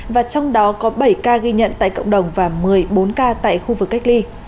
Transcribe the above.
và trong đó có bảy ca ghi nhận tại cộng đồng và một mươi bốn ca tại khu vực cách ly